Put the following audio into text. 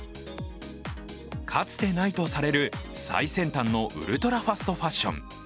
かつてないとされる最先端のウルトラファストファッション。